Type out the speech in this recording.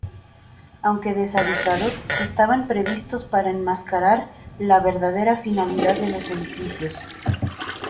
Aunque deshabitados, estaban previstos para enmascarar la verdadera finalidad de los edificios.